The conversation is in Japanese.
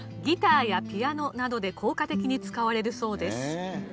ギターやピアノなどで効果的に使われるそうです。